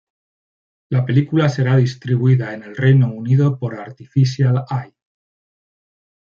La película será distribuida en el Reino Unido por Artificial Eye.